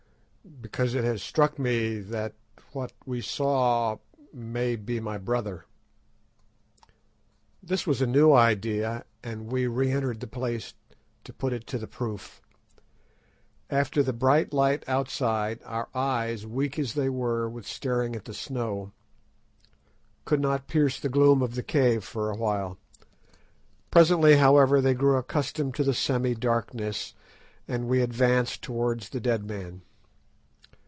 "Because it has struck me that—what we saw—may be my brother." This was a new idea, and we re entered the place to put it to the proof. After the bright light outside, our eyes, weak as they were with staring at the snow, could not pierce the gloom of the cave for a while. Presently, however, they grew accustomed to the semi darkness, and we advanced towards the dead man.